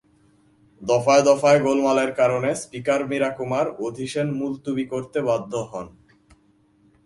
দফায় দফায় গোলমালের কারণে স্পিকার মীরা কুমার অধিশেন মুলতুবি করতে বাধ্য হন।